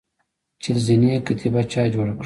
چهل زینې کتیبه چا جوړه کړه؟